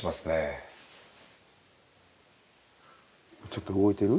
ちょっと動いてる？